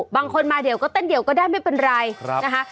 บางคนมาเดี๋ยวก็เต้นเดียวก็ได้ไม่เป็นไรนะคะ